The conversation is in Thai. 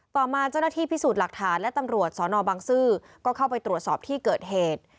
ต่อมาเจ้าหน้าที่พิสูจน์หลักฐานและตำรวจสนบังซื้อก็เข้าไปตรวจสอบที่เกิดเหตุ